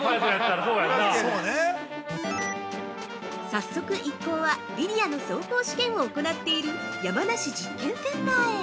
◆早速、一行はリニアの走行試験を行っている山梨実験センターへ。